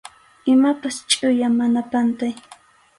Imapas chʼuya, mana pantay.